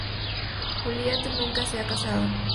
Juliette nunca se ha casado.